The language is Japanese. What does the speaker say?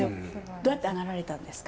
どうやってなられたんですか？